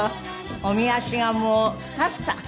おみ足がもうスタスタ。